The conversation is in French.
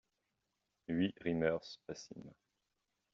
huit Rymers, passim.